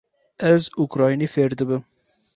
Ez ukraynî fêr dibim.